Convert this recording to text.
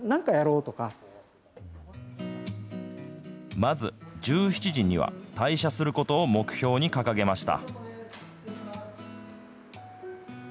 まず、１７時には退社することを目標に掲げました。